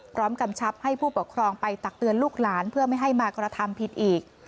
กำชับให้ผู้ปกครองไปตักเตือนลูกหลานเพื่อไม่ให้มากระทำผิดอีก